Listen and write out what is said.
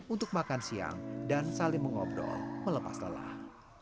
untuk makan siang dan saling mengobrol melepas telah